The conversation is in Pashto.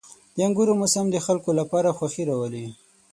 • د انګورو موسم د خلکو لپاره خوښي راولي.